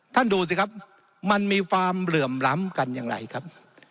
ดูสิครับมันมีความเหลื่อมล้ำกันอย่างไรครับ